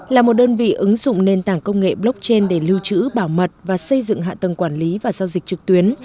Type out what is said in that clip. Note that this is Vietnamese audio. là một đơn vị ứng dụng nền tảng công nghệ blockchain để lưu trữ bảo mật và xây dựng hạ tầng quản lý và giao dịch trực tuyến